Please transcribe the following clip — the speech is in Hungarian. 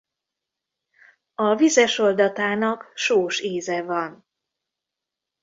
A vizes oldatának sós íze van.